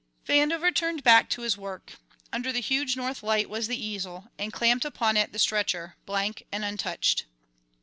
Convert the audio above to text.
Vandover turned back to his work. Under the huge north light was the easel, and clamped upon it the stretcher, blank, and untouched.